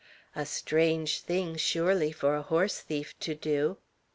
A strange thing, surely, for a horse thief to do!